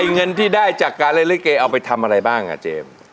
เงินที่ได้จากการเล่นลิเกเอาไปทำอะไรบ้างอ่ะเจมส์